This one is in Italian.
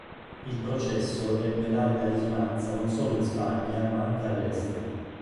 Il processo ebbe larga risonanza non solo in Spagna ma anche all'estero.